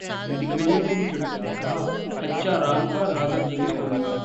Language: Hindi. दिग्विजय ने ली चुटकी, कहा 'बच्चा राम का राघव जी के काम का'